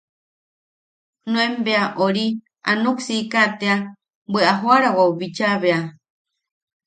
Nuen bea... ori... a nuksika tea bwe a joarawau bicha bea.